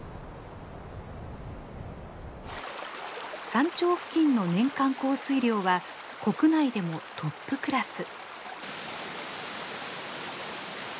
山頂付近の年間降水量は国内でもトップクラス。